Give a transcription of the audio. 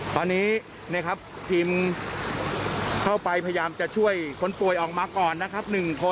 ตอนนี้นะครับทีมเข้าไปพยายามจะช่วยคนป่วยออกมาก่อนนะครับ